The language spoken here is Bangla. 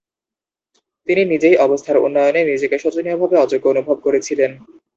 তিনি নিজেই অবস্থার উন্নয়নে নিজেকে শোচনীয়ভাবে অযোগ্য অনুভব করেছিলেন।